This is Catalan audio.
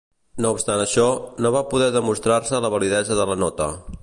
No obstant això, no va poder demostrar-se la validesa de la nota.